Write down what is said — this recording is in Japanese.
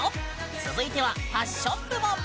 続いてはファッション部門！